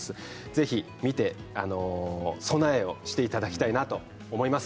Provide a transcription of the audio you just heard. ぜひ見て備えをしていただきたいなと思います